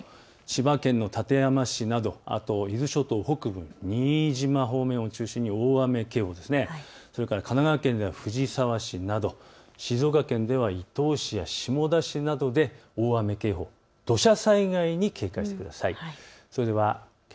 千葉県の館林など伊豆諸島北部、新島方面を中心に大雨警報、神奈川県藤沢市など、静岡県の伊東市、下田市などで大雨警報、土砂災害に注意してください。